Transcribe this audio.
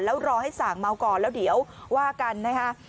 แล้วรอให้สั่งเมาก่อนแล้วเดี๋ยวว่ากันนะคะ